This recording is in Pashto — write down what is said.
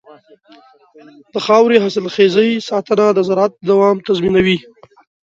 د خاورې حاصلخېزۍ ساتنه د زراعت دوام تضمینوي.